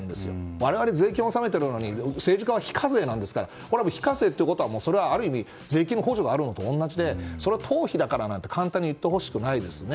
我々、税金を納めているのに政治家は非課税なんですから非課税ということはそれはある意味税金の補助があるのと同じでそれは党費だからなんて簡単に言ってほしくないですね。